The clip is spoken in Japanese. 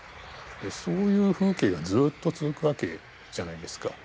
そういう風景がずっと続くわけじゃないですか。